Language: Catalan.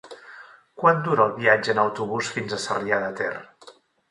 Quant dura el viatge en autobús fins a Sarrià de Ter?